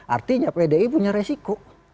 artinya pdi punya resiko